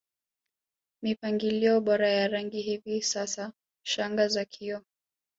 mipangilio bora ya rangi Hivi sasa shanga za kioo